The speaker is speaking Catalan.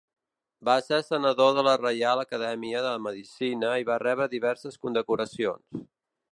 Va ser senador de la Reial Acadèmia de Medicina i va rebre diverses condecoracions.